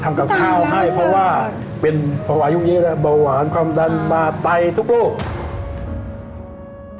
ทำกับข้าวให้เพราะว่าเป็นพระวัยุ่งเย็นและเบาหวานความดันมาใต้ทุกปุ่ม